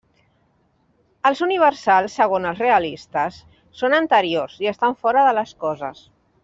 Els universals, segons els realistes, són anteriors i estan fora de les coses.